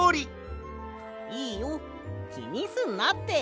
いいよきにすんなって。